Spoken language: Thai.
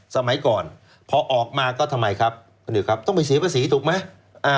สมัยก่อนพอออกมาก็ทำไมครับต้องไปเสียภาษีถูกไหม